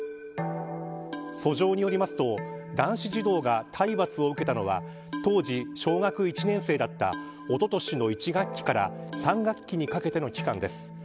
訴状によりますと、男子児童が体罰を受けたのは当時、小学１年生だったおととしの１学期から３学期にかけての期間です。